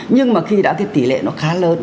nhưng mà khi đã thì tỷ lệ nó khá lớn